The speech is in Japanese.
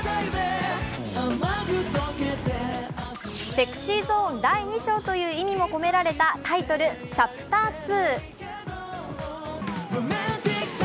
ＳｅｘｙＺｏｎｅ第二章という意味も込められたタイトル「ＣｈａｐｔｅｒⅡ」。